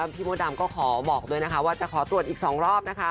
พี่มดดำก็ขอบอกด้วยนะคะว่าจะขอตรวจอีก๒รอบนะคะ